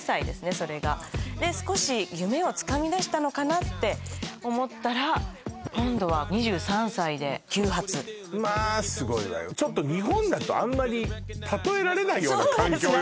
それがで少し夢をつかみだしたのかなって思ったら今度は２３歳で９発まあすごいわよちょっと日本だとあんまり例えられないような環境よね